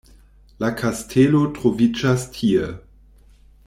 La kastelo troviĝas tie!